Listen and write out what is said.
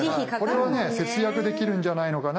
これはね節約できるんじゃないのかなと。